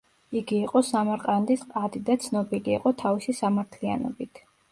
იგი იყო სამარყანდის ყადი და ცნობილი იყო თავისი სამართლიანობით.